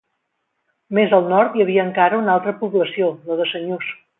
Més al nord hi havia encara una altra població: la de Senyús.